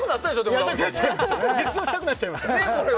実況したくなっちゃいました。